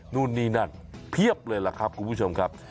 นู่นนี่นั่นเพียบเลยล่ะครับคุณผู้ชมครับ